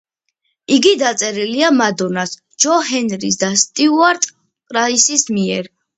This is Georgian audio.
იგი დაწერილია მადონას, ჯო ჰენრის და სტიუარტ პრაისის მიერ.